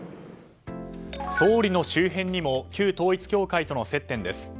総理の周辺にも旧統一教会との接点です。